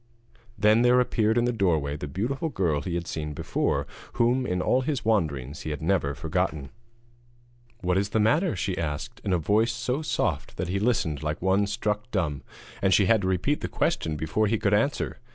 Then there appeared in the doorway the beautiful girl he had seen before, whom in all his wanderings he had never forgotten. 'What is the matter?' she asked, in a voice so soft that he listened like one struck dumb, and she had to repeat the question before he could answer.